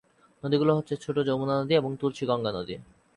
নদীগুলো হচ্ছে ছোট যমুনা নদী এবং তুলসী গঙ্গা নদী।